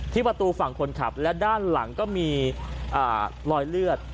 ประตูฝั่งคนขับและด้านหลังก็มีรอยเลือด